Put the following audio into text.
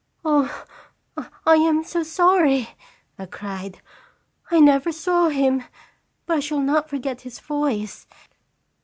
"Oh, I am so sorry!" I cried. "I never saw him, but I shall not forget his voice.